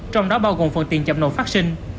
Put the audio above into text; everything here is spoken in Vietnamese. trong đó bao gồm phần tiền chậm nộp phát sinh